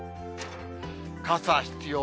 傘必要。